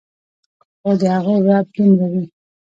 خو د هغو رعب دومره وي